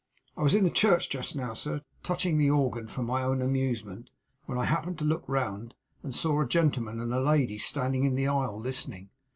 I was in the church just now, sir, touching the organ for my own amusement, when I happened to look round, and saw a gentleman and lady standing in the aisle listening.